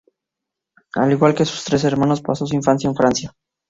Al igual que sus tres hermanos, pasó su infancia en Francia.